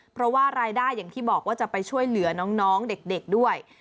เพราะว่ารายได้อย่างที่บอกว่าจะไปช่วยเหลือน้องเด็กด้วย